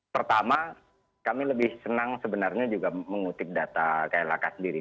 pertama kami lebih senang sebenarnya juga mengutip data klhk sendiri